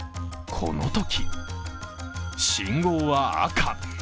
このとき、信号は赤。